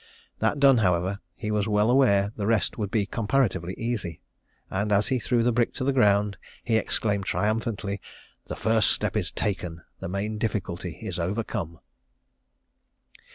That done, however, he was well aware the rest would be comparatively easy; and as he threw the brick to the ground, he exclaimed triumphantly, "The first step is taken the main difficulty is overcome."